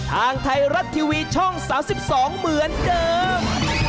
ทางไทยรัฐทีวีช่อง๓๒เหมือนเดิม